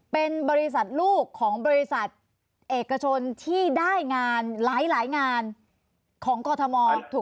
เป็นบริษัทลูกของบริษัทเอกชนที่ได้งานหลายงานของกรทม